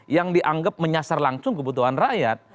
yang dianggap menyasar langsung kebutuhan rakyat